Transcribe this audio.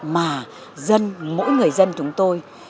mà dân mỗi người dân chúng tôi